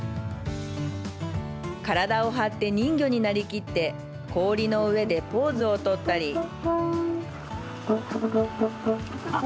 体を張って人魚になりきって氷の上でポーズを取ったり。